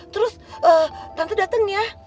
terus tante dateng ya